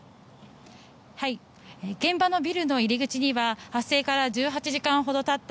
現場のビルの入り口には発生から１８時間ほどたった